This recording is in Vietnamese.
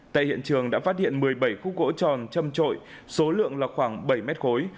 tại hiện trường đã phát hiện một mươi bảy khúc gỗ tròn châm trội số lượng là khoảng bảy mét khối